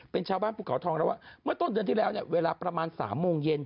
เป็นชาวบ้านภูเขาทองแล้วว่าเมื่อต้นเดือนที่แล้วเนี่ยเวลาประมาณ๓โมงเย็น